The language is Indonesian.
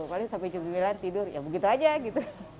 paling sampai jam sembilan tidur ya begitu aja gitu